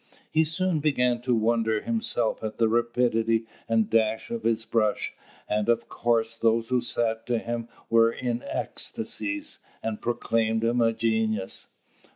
He soon began to wonder himself at the rapidity and dash of his brush. And of course those who sat to him were in ecstasies, and proclaimed him a genius.